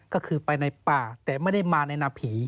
ก็คือไปในป่าแต่ไม่ได้มาในนาผี